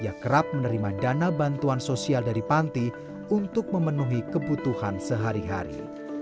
ia kerap menerima dana bantuan sosial dari panti untuk memenuhi kebutuhan sehari hari